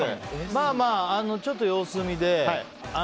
まあまあ、ちょっと様子見で。